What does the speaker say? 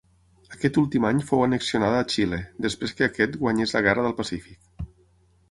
Aquest últim any fou annexionada a Xile, després que aquest guanyés la Guerra del Pacífic.